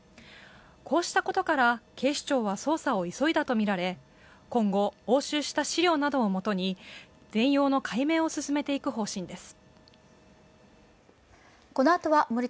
こうしたことから、警視庁は捜査を急いだとみられ今後、押収した資料などをもとに全容の解明を進めていく方針です。